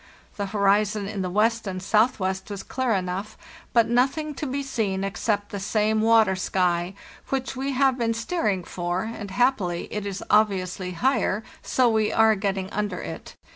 The horizon in the west and south west was clear enough, but nothing to be seen except the same water sky, which we have been steering for, and, happily, it is obviously higher, so we are getting under it.